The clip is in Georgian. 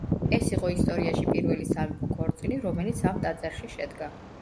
ეს იყო ისტორიაში პირველი სამეფო ქორწილი რომელიც ამ ტაძარში შედგა.